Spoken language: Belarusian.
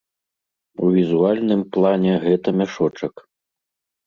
У візуальным плане гэта мяшочак.